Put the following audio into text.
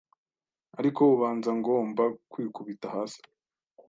Ariko ubanza ngomba kwikubita hasi